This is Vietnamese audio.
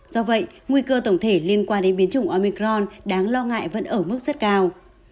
do vậy nguy cơ tổng thể liên quan đến biến chủng omicron đáng lo ngại vẫn ở mức rất cao